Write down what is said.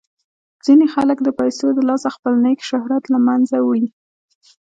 ځینې خلک د پیسو د لاسه خپل نیک شهرت له منځه وړي.